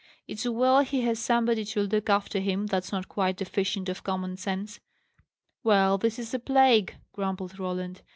It's well he has somebody to look after him that's not quite deficient of common sense!" "Well, this is a plague!" grumbled Roland.